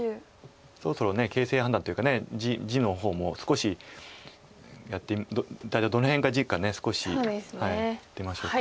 そろそろ形勢判断っていうか地の方も少し大体どの辺が地か少しやってみましょうか。